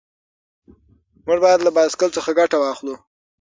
موږ باید له بایسکل څخه ګټه واخلو.